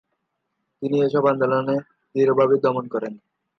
তিনি এসব আন্দোলন দৃঢ়ভাবে দমন করেন।